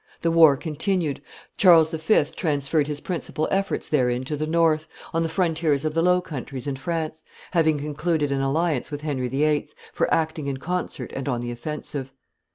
The war continued; Charles V. transferred his principal efforts therein to the north, on the frontiers of the Low Countries and France, having concluded an alliance with Henry VIII. for acting in concert and on the offensive.